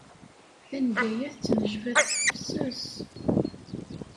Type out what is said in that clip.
Tanga-a tettnejbad s tefses.